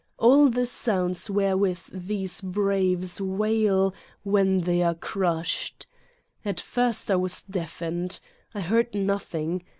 All the sounds wherewith these braves wail when they are crushed. At first I was deafened. I heard noth ing.